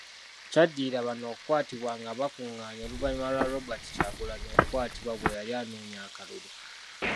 Kyaddirira bano okukwatibwa nga bakungaanye oluvannyuma lwa Robert Kyagulanyi, okukwatibwa bwe yali anoonya akalulu.